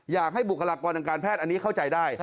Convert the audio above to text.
อยากให้บุคลากรดังการแพทย์อันนี้เข้าใจได้